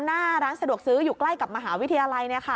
หน้าร้านสะดวกซื้ออยู่ใกล้กับมหาวิทยาลัย